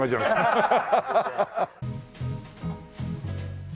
ハハハハ。